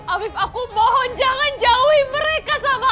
habib aku mohon jangan jauhi mereka sama